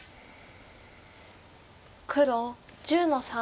黒１０の三。